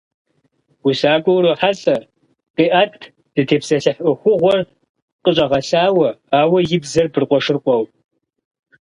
УсакӀуэ урохьэлӀэ, къиӀэт, зытепсэлъыхь Ӏуэхугъуэр къыщӀэгъэлъауэ, ауэ и бзэр быркъуэшыркъуэу.